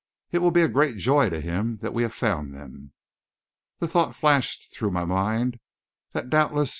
It will be a great joy to him that we have found them." The thought flashed through my mind that doubtless M.